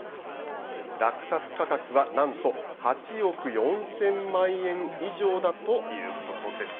落札価格はなんと８億４０００万円以上だということです。